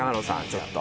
ちょっと。